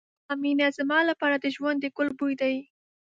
ستا مینه زما لپاره د ژوند د ګل بوی دی.